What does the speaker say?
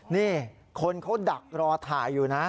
นี่คนเขาดักรอถ่ายอยู่นะ